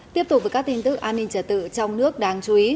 tiếp tục với các tin tức an ninh trật tự trong nước đáng chú ý